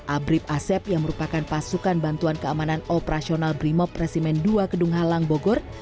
abrib asep yang merupakan pasukan bantuan keamanan operasional brimob resimen dua kedung halang bogor